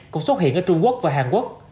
cũng xuất hiện ở trung quốc và hàn quốc